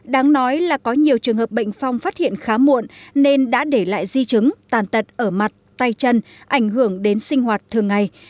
đáng nói là có nhiều trường hợp bệnh phong phát hiện khá muộn nên đã để lại di chứng tàn tật ở mặt tay chân ảnh hưởng đến sinh hoạt thường ngày